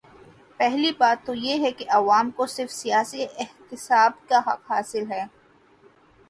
پہلی بات تو یہ ہے کہ عوام کو صرف سیاسی احتساب کا حق حاصل ہے۔